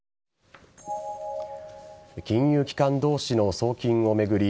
金融機関同士の送金を巡り